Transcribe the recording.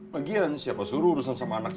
lagian siapa suruh urusan sama anak iva